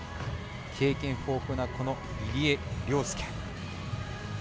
経験豊富な入江陵介。